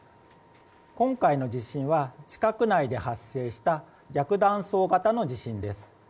今回の地震は地殻内で発生した逆断層型の地震です。